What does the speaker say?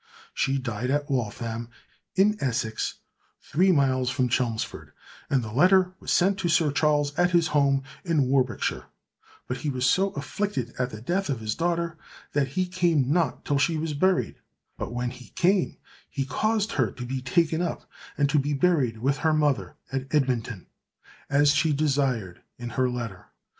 She died at Waltham, in Essex, three miles from Chelmsford, and the letter was sent to Sir Charles, at his house in Warwickshire; but he was so afflicted at the death of his daughter, that he came not till she was buried; but when he came, he caused her to be taken up, and to be buried with her mother, at Edmonton, as she desired in her letter."